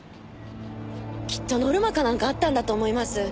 きっとノルマかなんかあったんだと思います。